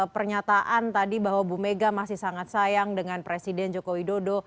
pernyataan tadi bahwa bu mega masih sangat sayang dengan presiden joko widodo